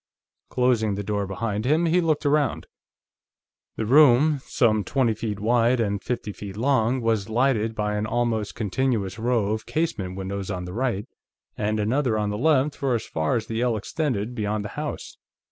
Closing the door behind him, he looked around. The room, some twenty feet wide and fifty long, was lighted by an almost continuous row of casement windows on the right, and another on the left for as far as the ell extended beyond the house.